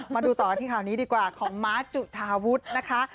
มาดูต่อกันที่ข่าวนี้ดีกว่าของม้าจุธาวุฒินะคะ